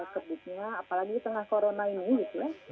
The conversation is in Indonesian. kebutuhannya apalagi di tengah corona ini